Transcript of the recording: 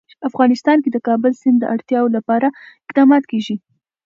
افغانستان کې د کابل سیند د اړتیاوو لپاره اقدامات کېږي.